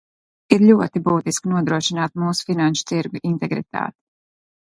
Ir ļoti būtiski nodrošināt mūsu finanšu tirgu integritāti.